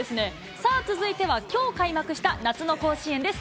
さあ、続いてはきょう開幕した夏の甲子園です。